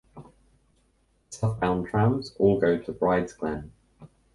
Southbound trams all go to Brides Glen.